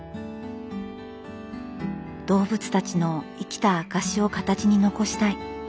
動物たちの生きた証しを形に残したい。